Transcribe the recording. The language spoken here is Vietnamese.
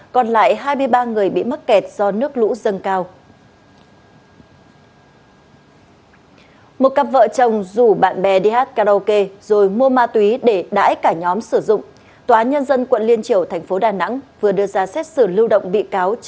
còn lại hai mươi ba người bị mắc kẹt do nước lũ dâng cao